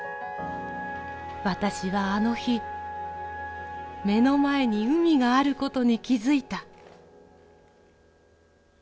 私はあの日目の前に海があることに気づいた。